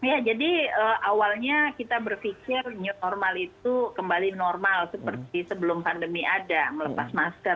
ya jadi awalnya kita berpikir new normal itu kembali normal seperti sebelum pandemi ada melepas masker